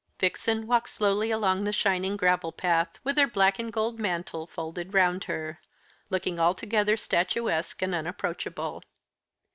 Vixen walked slowly along the shining gravel path with her black and gold mantle folded round her, looking altogether statuesque and unapproachable.